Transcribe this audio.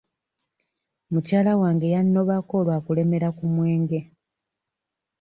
Mukyala wange yannobako lwa kulemera ku mwenge.